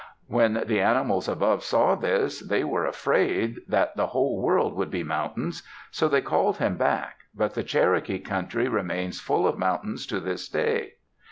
When the animals above saw this, they were afraid that the whole world would be mountains, so they called him back, but the Cherokee country remains full of mountains to this day.